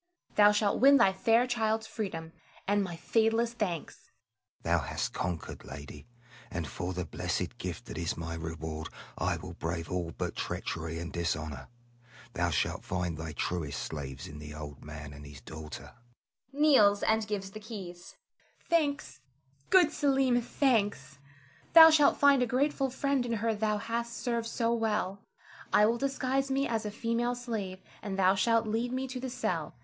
Thou shalt win thy fair child's freedom, and my fadeless thanks. Selim. Thou hast conquered, lady; and for the blessed gift that is my reward, I will brave all but treachery and dishonor. Thou shalt find thy truest slaves in the old man and his daughter [kneels and gives the keys]. Zara. Thanks, good Selim, thanks; thou shalt find a grateful friend in her thou hast served so well. I will disguise me as a female slave, and thou shalt lead me to the cell.